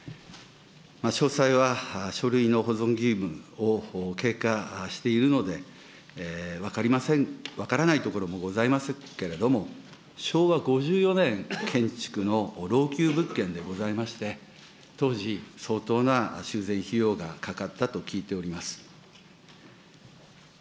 詳細は書類の保存義務を経過しているので、分かりません、分からないところもございますけれども、昭和５４年建築の老朽物件でございまして、当時、相当な修繕費用がかかったと聞いております。